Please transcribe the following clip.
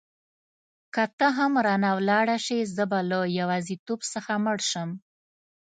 که ته هم رانه ولاړه شې زه به له یوازیتوب څخه مړ شم.